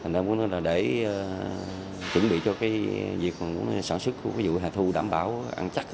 nên muốn nói là để chuẩn bị cho việc sản xuất vụ hè thu đảm bảo ăn chắc